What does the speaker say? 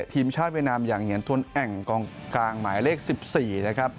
ทีมชาติเวรามยังเหนียนทวนแอ้งกรองกลางหมายเลข๑๔